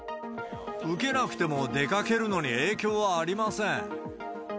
受けなくても、出かけるのに影響はありません。